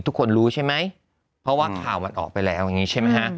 ทุกคนรู้ใช่ไหมเพราะว่าข่าวมันออกไปแล้วอย่างนี้ใช่ไหมฮะ